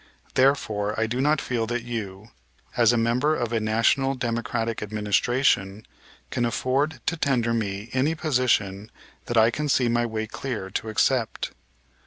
Therefore, I do not feel that you, as a member of a National Democratic Administration, can afford to tender me any position that I can see my way clear to accept.